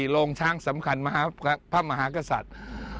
โรงช้างสำคัญพระมหากษัตริย์